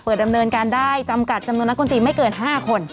ดำเนินการได้จำกัดจำนวนนักดนตรีไม่เกิน๕คน